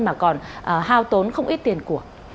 mà còn hao tốn không ít tiền của